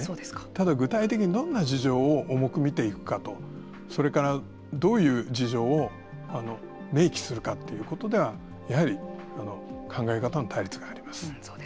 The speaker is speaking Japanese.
ただ、具体的にどんな事情を重く見ていくかとそれから、どういう事情を明記するかということではやはり考え方の対立があります。